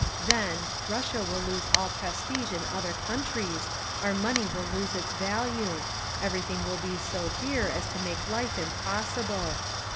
Then, Russia will lose all prestige in other countries, our money will lose its value; everything will be so dear as to make life impossible.